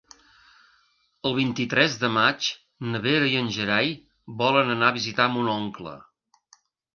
El vint-i-tres de maig na Vera i en Gerai volen anar a visitar mon oncle.